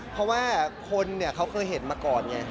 เพราะว่าคนเขาเคยเห็นมาก่อนไง